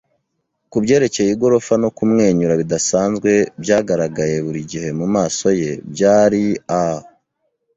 kubyerekeye igorofa no kumwenyura bidasanzwe byagaragaye buri gihe mumaso ye. Byari a